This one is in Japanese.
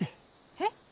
えっ。